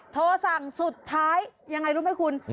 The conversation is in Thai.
โทรสั่งสุดท้ายยังไงรู้ไหมคุณ